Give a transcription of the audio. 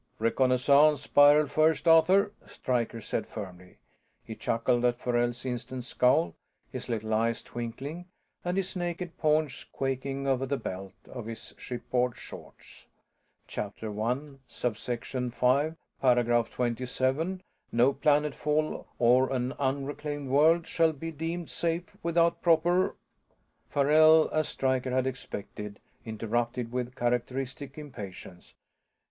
"Reconnaissance spiral first, Arthur," Stryker said firmly. He chuckled at Farrell's instant scowl, his little eyes twinkling and his naked paunch quaking over the belt of his shipboard shorts. "Chapter One, Subsection Five, Paragraph Twenty seven: _No planetfall on an unreclaimed world shall be deemed safe without proper _" Farrell, as Stryker had expected, interrupted with characteristic impatience.